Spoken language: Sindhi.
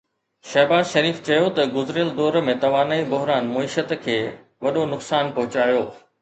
شهباز شريف چيو ته گذريل دور ۾ توانائي بحران معيشت کي وڏو نقصان پهچايو